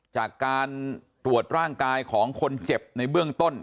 จากการตรวจร่างกายของคนเจ็บในเบื้องต้น